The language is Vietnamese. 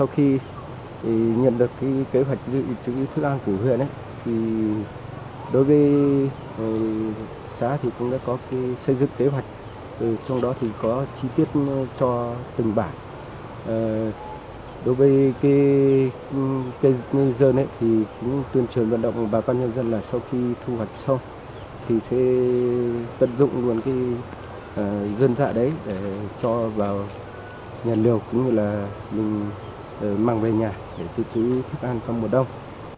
và đấy cho vào nhà liều cũng như là mình mang về nhà để giữ chữ thức ăn trong mùa đông